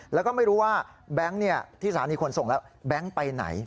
แล้วก็ไม่รู้ว่าแบงค์ที่สถานีขนส่งแล้วแบงค์ไปไหน